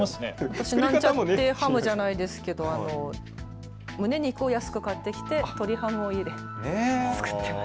私もなんちゃってハムじゃないですが胸肉を安く買って鶏ハムをゆでる、作っています。